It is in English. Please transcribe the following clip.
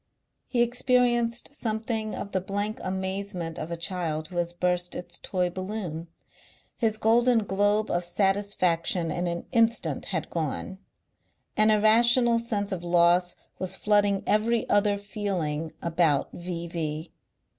He experienced something of the blank amazement of a child who has burst its toy balloon. His golden globe of satisfaction in an instant had gone. An irrational sense of loss was flooding every other feeling about V.V.